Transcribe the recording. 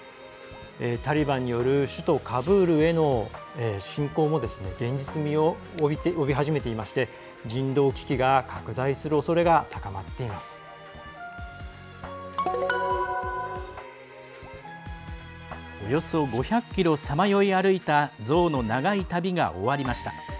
タリバンによる首都カブールへの侵攻も現実味を帯び始めていまして人道危機が拡大する恐れがおよそ５００ｋｍさまよい歩いたゾウの長い旅が終わりました。